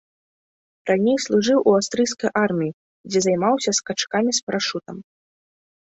Раней служыў у аўстрыйскай арміі, дзе займаўся скачкамі з парашутам.